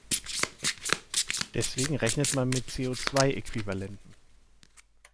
Deswegen rechnet man mit CO-zwei-Äquivalenten.